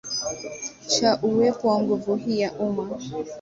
cha wa uwepo wa nguvu hii ya umma